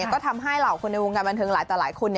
ก็ทำให้เหล่าคนในวงการบันเทิงหลายต่อหลายคน